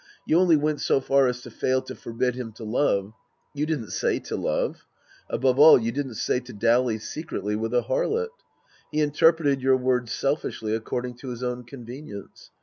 You only went so far as to fail to forbid him to love. You didn't say to love ; above all, you didn't say to dally secretly with a harlot. He interpreted your words selfishly accord ing to his own convenience.